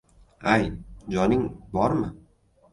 — Ay, joning bormi?